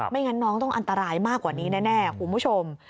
งั้นน้องต้องอันตรายมากกว่านี้แน่คุณผู้ชม